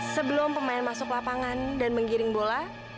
sebelum pemain masuk lapangan dan menggiring bola